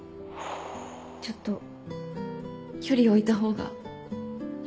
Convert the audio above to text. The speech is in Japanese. ちょっと距離置いた方がいいかも